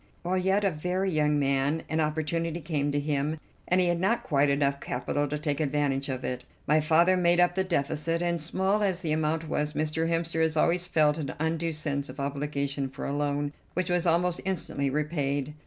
While yet a very young man an opportunity came to him, and he had not quite enough capital to take advantage of it. My father made up the deficit, and, small as the amount was, Mr. Hemster has always felt an undue sense of obligation for a loan which was almost instantly repaid.